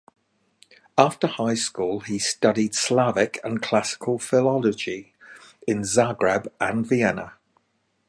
After high school he studied Slavic and classical philology in Zagreb and Vienna.